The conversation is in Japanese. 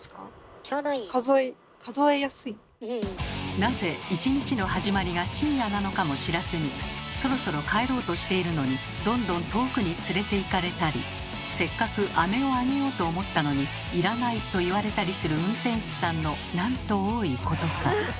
なぜ１日の始まりが深夜なのかも知らずにそろそろ帰ろうとしているのにどんどん遠くに連れていかれたりせっかくアメをあげようと思ったのに「要らない」と言われたりする運転手さんのなんと多いことか。